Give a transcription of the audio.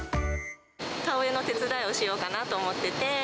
田植えの手伝いをしようかなと思ってて。